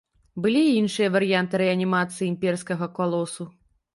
Былі і іншыя варыянты рэанімацыі імперскага калосу.